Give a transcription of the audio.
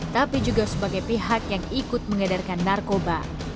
tapi juga sebagai pihak yang ikut mengedarkan narkoba